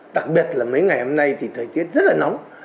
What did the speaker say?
đặc biệt là mấy ngày hôm nay thì thời tiết rất là nóng